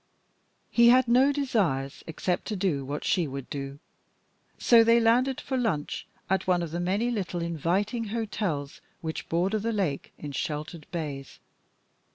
He had no desires except to do what she would do, so they landed for lunch at one of the many little inviting hotels which border the lake in sheltered bays.